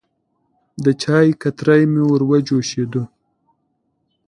د چای کتری مې وروه جوشېده.